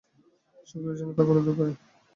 শীঘ্রই যেন তা করতে পারি।